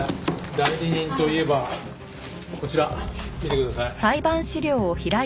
代理人といえばこちら見てください。